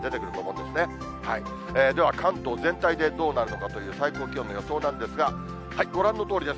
では、関東全体でどうなるのかという、最高気温の予想なんですが、ご覧のとおりです。